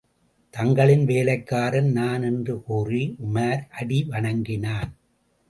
தங்களின் வேலைக்காரன் நான் என்று கூறி உமார் அடி வணங்கினான்.